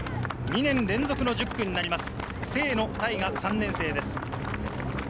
２年連続１０区になります、清野太雅・３年生です。